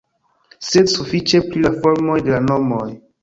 Sed sufiĉe pri la formoj de la nomoj.